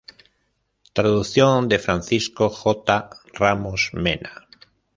Traducción de Francisco J. Ramos Mena.